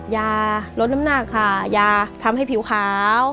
ยาลดน้ำหนักค่ะยาทำให้ผิวขาว